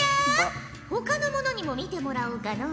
ほかの者にも見てもらおうかのう。